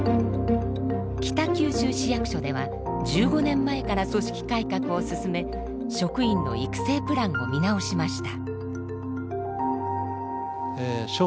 北九州市役所では１５年前から組織改革を進め職員の育成プランを見直しました。